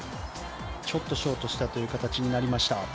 ちょっとショートした形になりました。